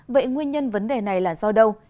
vậy nguyên nhân vấn đề này là do đâu